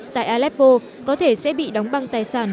tại aleppo có thể sẽ bị đóng băng tài sản